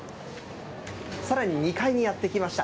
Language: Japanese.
さらに、２階にやって来ました。